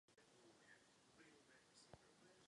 Kandidáti na krále byli dva.